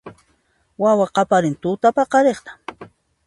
Wawa qaparin tutapaqariyta